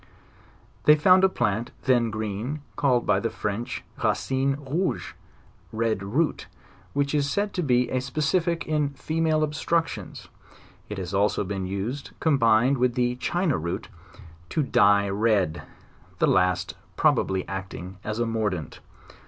They found a plant, then green, called by the French "racine rouge," (red root,) which is said to be a specific in female obstructions; it has also been used, combined with the china root, to dye red, the last pro bably acting as a mordant.